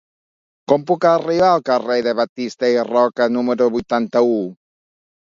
Com puc arribar al carrer de Batista i Roca número vuitanta-u?